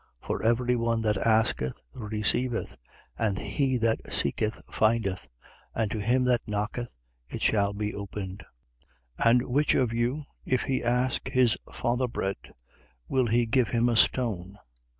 11:10. For every one that asketh receiveth: and he that seeketh findeth: and to him that knocketh it shall be opened: 11:11. And which of you, if he ask his father bread, will he give him a stone?